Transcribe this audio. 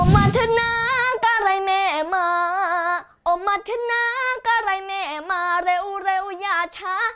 อมทนากลายแม่มาอมทนากลายแม่มาเร็วอย่าช้า